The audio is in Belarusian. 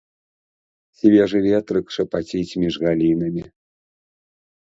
Свежы ветрык шапаціць між галінамі.